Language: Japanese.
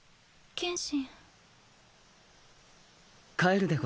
剣心！